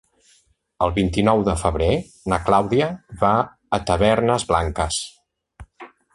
El vint-i-nou de febrer na Clàudia va a Tavernes Blanques.